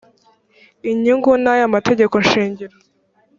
inyungu n aya mategeko shingiro